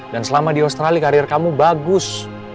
dan selama di australia karier kamu bagus